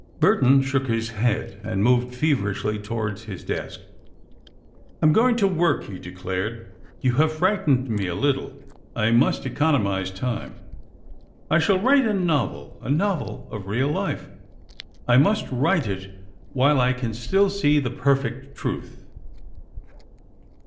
Burton shook his head and moved feverishly towards his desk. "I am going to work," he declared. "You have frightened me a little. I must economize time. I shall write a novel, a novel of real life. I must write it while I can still see the perfect truth."